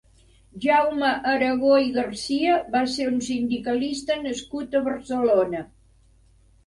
Jaume Aragó i Garcia va ser un sindicalista nascut a Barcelona.